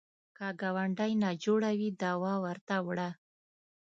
که ګاونډی ناجوړه وي، دوا ورته وړه